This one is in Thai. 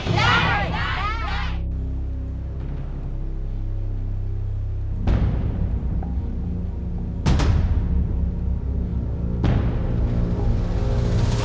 ได้